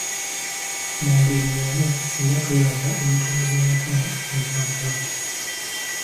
Mu ngeri y’emu era twebaza ebitundu by’e Mukono ne Kampala.